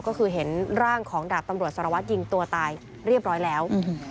ก็คือเห็นร่างของดาบตำรวจสารวัตรยิงตัวตายเรียบร้อยแล้ว